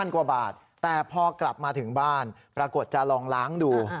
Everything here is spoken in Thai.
กว่าบาทแต่พอกลับมาถึงบ้านปรากฏจะลองล้างดู